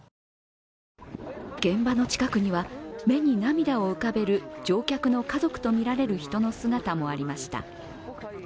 現場の近くには、目に涙を浮かべる乗客の家族とみられる人の姿もありました。